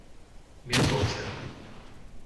Mirkovce